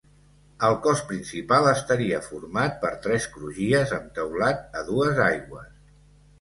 El cos principal estaria format per tres crugies amb teulat a dues aigües.